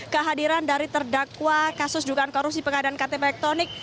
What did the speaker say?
kehadiran dari terdakwa kasus dugaan korupsi pengadilan ktp ektonik